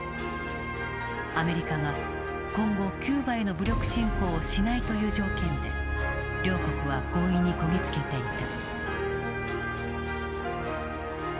アメリカが今後キューバへの武力侵攻をしないという条件で両国は合意にこぎ着けていた。